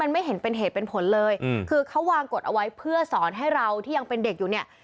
ไม่เห็นเป็นเหตุเป็นผลเลยคือเขาวางกฎเอาไว้เพื่อสอนให้เราที่ยังเป็นเด็กอยู่เนี่ย